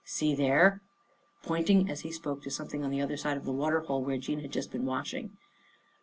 See there !" pointing as he spoke to something on the other side of the water hole where Jean had just been washing.